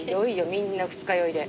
みんな二日酔いで。